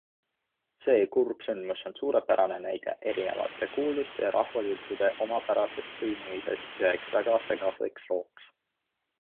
See kurb sündmus on suurepärane näide erinevate kuulduste ja rahvajuttude omapärasest põimumisest üheks väga segaseks looks.